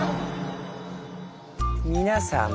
皆さん。